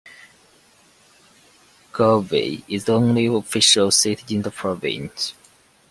Galway is the only official city in the province.